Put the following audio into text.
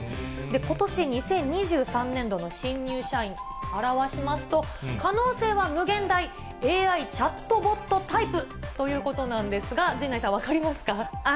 ことし２０２３年度の新入社員、表しますと、可能性は∞、ＡＩチャットボットタイプということなんですが、陣内さん、分かりますか？